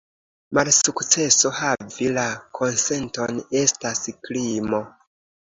Malsukceso havi la konsenton estas krimo.